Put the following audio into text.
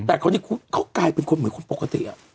แต่เขาที่กลายเป็นคนเหมือนคนปกติอ่ะ